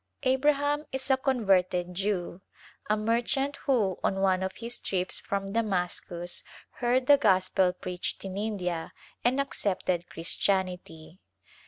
" Abraham is a converted Jew — a merchant who on one of his trips from Damascus heard the Gospel preached in India and accepted Christianity.